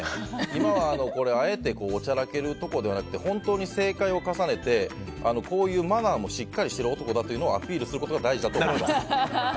今はあえておちゃらけるところではなくて本当に正解を重ねてこういうマナーもしっかりしている男だとアピールすることが大事だと思います。